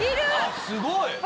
すごい！